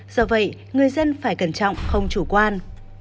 do vậy người dân phải cẩn trọng không chủ quan